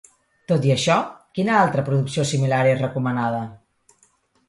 Tot i això, quina altra producció similar és recomanada?